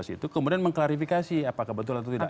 tujuh belas itu kemudian mengklarifikasi apakah betul atau tidak